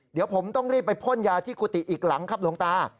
เดี๋ยวผมต้องรีบไปพ่นยาที่กุฏิอีกหลังครับหลวงตา